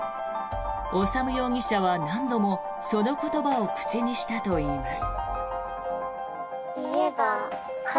修容疑者は何度もその言葉を口にしたといいます。